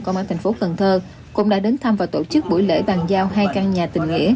của công an tp cn cũng đã đến thăm và tổ chức buổi lễ bàn giao hai căn nhà tình nghĩa